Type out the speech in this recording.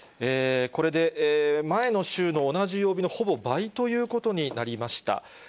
これで前の週の同じ曜日のほぼ倍ということになりました。